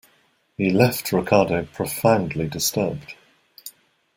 He left Ricardo profoundly disturbed.